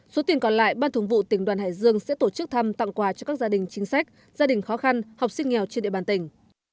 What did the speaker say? số tiền còn lại ban thường vụ tỉnh đoàn hải dương sẽ tổ chức thăm tặng quà cho các gia đình chính sách gia đình khó khăn học sinh nghèo trên địa bàn tỉnh